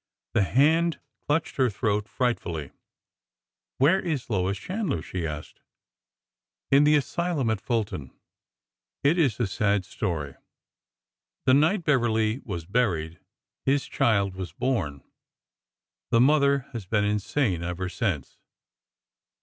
The hand clutched her throat frightfully. " Where is Lois Chandler ?" she asked. " In the asylum at Fulton. It is a sad story. The night Beverly was buried his child was born. The mother has been insane ever since."